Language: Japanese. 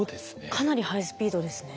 かなりハイスピードですね。